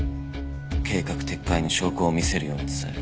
計画撤回の証拠を見せるように伝えろ。